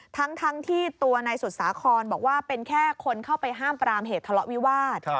ทั้งที่ตัวนายสุดสาครบอกว่าเป็นแค่คนเข้าไปห้ามปรามเหตุทะเลาะวิวาส